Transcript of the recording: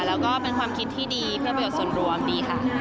แล้วก็เป็นความคิดที่ดีเพื่อประโยชน์ส่วนรวมดีค่ะ